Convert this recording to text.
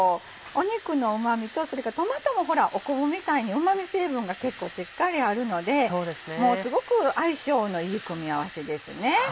肉のうま味とそれからトマトもほら昆布みたいにうま味成分が結構しっかりあるのですごく相性のいい組み合わせです。